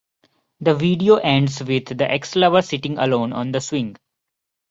The video ends with the ex-lover sitting alone on the swing.